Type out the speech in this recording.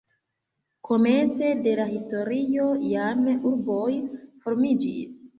Komence de la historio jam urboj formiĝis.